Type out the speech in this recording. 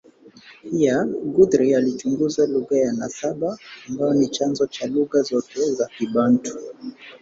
Pia, Guthrie alichunguza lugha ya nasaba ambayo ni chanzo cha lugha zote za Kibantu.